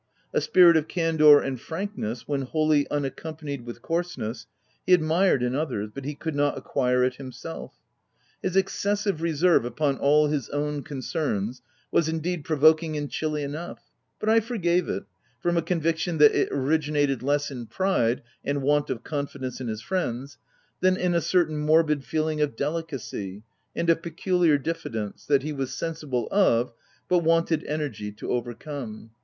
A spirit of candour and frankness, when wholly unac companied with coarseness, he admired in OF WILDFKLL HALL. 69 others, but he could not acquire it himself. His excessive reserve upon all his own concerns was, indeed, provoking and chilly enough ; but I forgave it, from a conviction that it origi nated, less in pride and want of confidence in his friends, than in a certain morbid feeling of delicacy, and a peculiar diffidence, that he was sensible of, but wanted energy to overcome.